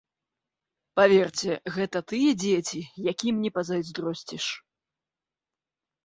Паверце, гэта тыя дзеці, якім не пазайздросціш.